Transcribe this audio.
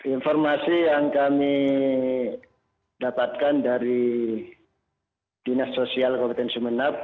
informasi yang kami dapatkan dari dinas sosial kompetensi menab